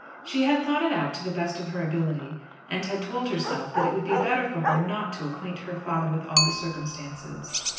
She had thought it out to the best of her ability, and had told herself that it would be better for her not to acquaint her father with all the circumstances.